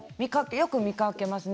よく見かけますね